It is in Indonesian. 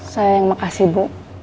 saya yang makasih bu